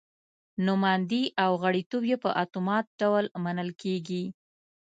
نوماندي او غړیتوب یې په اتومات ډول منل کېږي.